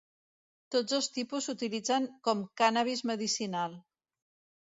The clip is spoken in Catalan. Tots dos tipus s'utilitzen com cànnabis medicinal.